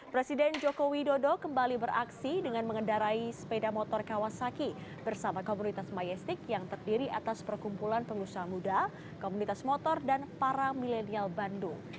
presiden joko widodo kembali beraksi dengan mengendarai sepeda motor kawasaki bersama komunitas majestik yang terdiri atas perkumpulan pengusaha muda komunitas motor dan para milenial bandung